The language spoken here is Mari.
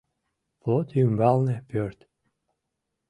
Плот ӱмбалне пӧрт.